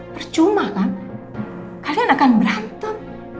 percuma kan kalian akan berantem